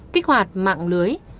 kích hoạt mạng lưới